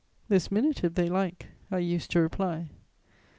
"This minute, if they like," I used to reply.